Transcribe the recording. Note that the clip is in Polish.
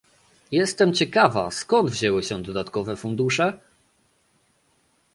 Jestem ciekawa, skąd wzięły się dodatkowe fundusze?